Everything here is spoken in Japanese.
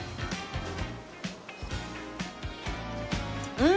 うん。